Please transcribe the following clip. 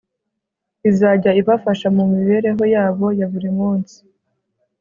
izajya ibafasha mu mibereho yabo ya buri munsi